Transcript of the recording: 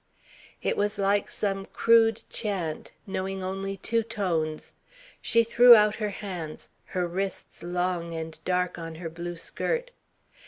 It was like some crude chant, knowing only two tones. She threw out her hands, her wrists long and dark on her blue skirt.